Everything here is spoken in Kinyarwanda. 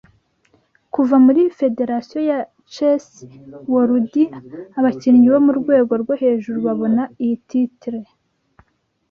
Kuva muri federasiyo ya cesi worudi abakinnyi bo murwego rwo hejuru babona iyi titire